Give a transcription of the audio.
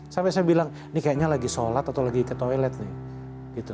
sampai saya bilang ini kayaknya lagi sholat atau lagi ke toilet nih